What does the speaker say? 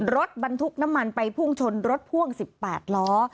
รถบรรทุกน้ำมันไปพุ่งชนรถพ่วง๑๘ล้อ